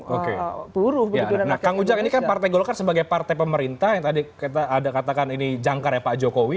oke nah kang ujang ini kan partai golkar sebagai partai pemerintah yang tadi kita ada katakan ini jangkar ya pak jokowi